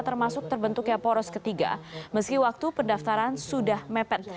termasuk terbentuknya poros ketiga meski waktu pendaftaran sudah mepet